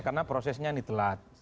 karena prosesnya ini telat